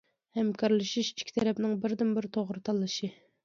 ھەمكارلىشىش ئىككى تەرەپنىڭ بىردىنبىر توغرا تاللىشى.